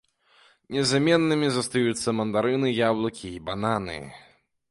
Незаменнымі застаюцца мандарыны, яблыкі і бананы.